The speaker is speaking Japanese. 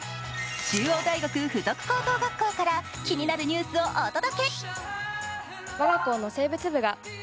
中央大学附属高等学校から気になるニュースをお届。